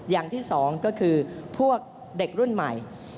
อย่างที่สองก็คือพวกเด็กรุ่นใหม่